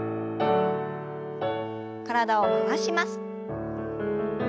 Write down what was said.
体を回します。